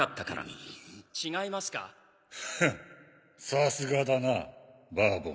さすがだなバーボン。